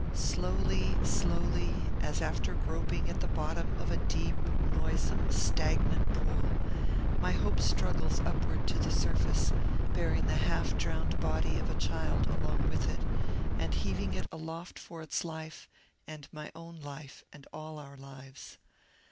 Slowly, slowly, as after groping at the bottom of a deep, noisome, stagnant pool, my hope struggles upward to the surface, bearing the half drowned body of a child along with it, and heaving it aloft for its life, and my own life, and all our lives.